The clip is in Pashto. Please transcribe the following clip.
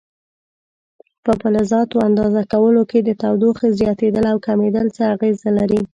په فلزاتو اندازه کولو کې د تودوخې زیاتېدل او کمېدل څه اغېزه لري؟